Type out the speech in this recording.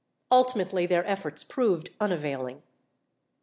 Ultimately their efforts proved unavailing.